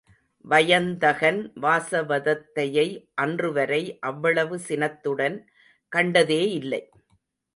வயந்தகன் வாசவதத்தையை அன்றுவரை அவ்வளவு சினத்துடன் கண்டதே இல்லை.